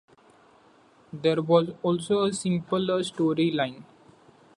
There was also a simpler story line.